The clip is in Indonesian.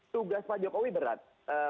tugas pak jokowi berat